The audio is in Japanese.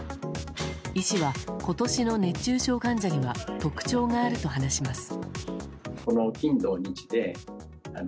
医師は、今年の熱中症患者には特徴があると話します。